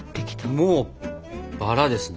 もうバラですね。